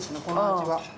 この味は。